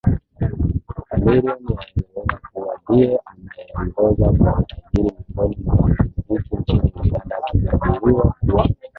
Chameleone yaelezwa kuwa ndiye anayeongoza kwa utajiri miongoni mwa wanamuziki nchini Uganda akikadiriwa kuwa